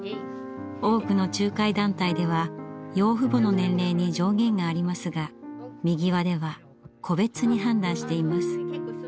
多くの仲介団体では養父母の年齢に上限がありますがみぎわでは個別に判断しています。